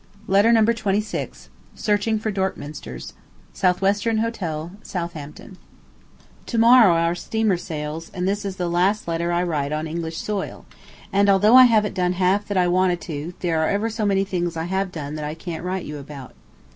Letter Number Twenty six SOUTHWESTERN HOTEL, SOUTHAMPTON To morrow our steamer sails, and this is the last letter I write on English soil; and although I haven't done half that I wanted to, there are ever so many things I have done that I can't write you about.